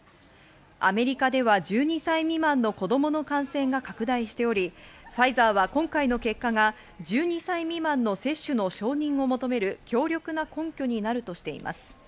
アメリカでは１２歳未満の子供の感染が拡大しており、ファイザーは今回の結果が１２歳未満の接種の承認を求める強力な根拠になるとしています。